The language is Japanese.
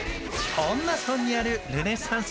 恩納村にあるルネッサンス